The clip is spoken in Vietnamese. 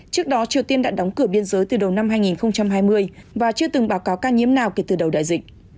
trước đó triều tiên đã đóng cửa biên giới từ đầu năm hai nghìn hai mươi và chưa từng báo cáo ca nhiễm nào kể từ đầu đại dịch